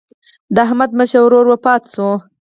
د احمد مشر ورور وفات شو.